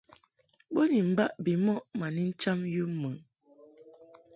Bo ni mbaʼ bimɔʼ ma ni ncham yum mɨ.